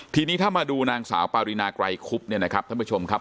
ทีนี้ถ้ามาดูนางสาวปารินาไกรคุบเนี่ยนะครับท่านผู้ชมครับ